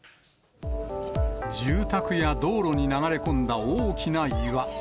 住宅や道路に流れ込んだ大きな岩。